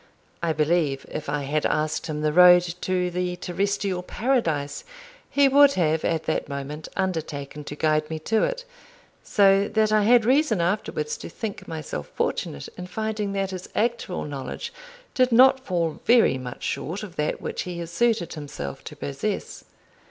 I believe if I had asked him the road to the terrestrial paradise, he would have at that moment undertaken to guide me to it; so that I had reason afterwards to think myself fortunate in finding that his actual knowledge did not fall very much short of that which he asserted himself to possess.